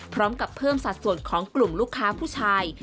พร้อมกับเพิ่มสัดส่วนของกลุ่มลูกค้าผู้ชาย